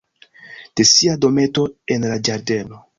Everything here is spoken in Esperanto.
De sia dometo en la ĝardeno.